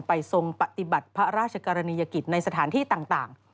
ทรงปฏิบัติพระราชกรณียกิจในสถานที่ต่าง